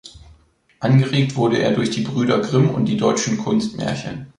Angeregt wurde er durch die Brüder Grimm und die deutschen Kunstmärchen.